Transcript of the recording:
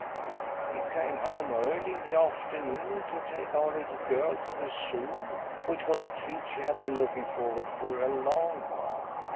"He came home early in the afternoon to take our little girl to the Zoo which was a treat she had been looking forward to for a long while.